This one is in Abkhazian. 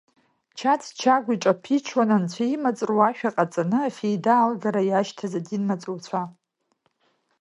Чаҵә Чагә иаҿаԥиҽуан анцәа имаҵ руашәа ҟаҵаны афеида алгара иашьҭаз адин амаҵуҩцәа…